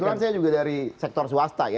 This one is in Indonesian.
kebetulan saya juga dari sektor swasta ya